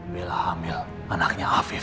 bella hamil anaknya afif